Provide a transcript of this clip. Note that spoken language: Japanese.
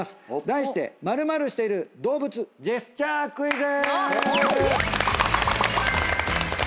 題して○○している動物ジェスチャークイズ！